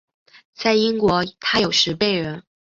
在英国他有时被人。